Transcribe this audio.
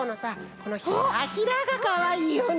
このヒラヒラがかわいいよね。